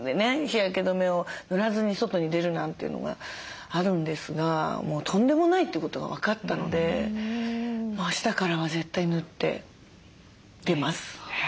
日焼け止めを塗らずに外に出るなんていうのがあるんですがもうとんでもないってことが分かったのであしたからは絶対塗って出ます。